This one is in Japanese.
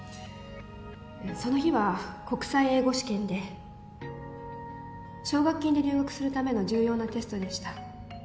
その日は国際英語試験で奨学金で留学するための重要なテストでした。